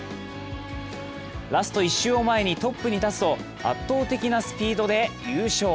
ラスト１周を前にトップに立つと圧倒的なスピードで優勝。